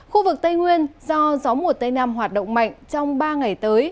khu vực tây nguyên do gió mùa tây nam hoạt động mạnh trong ba ngày tới